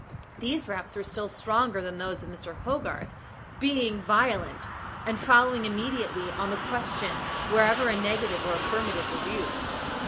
These raps were still stronger than those of Mr. Hogarth, being violent, and following immediately on the question wherever a negative or affirmative was used.